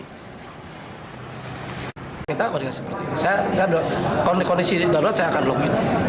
saya kalau di kondisi lockdown saya akan login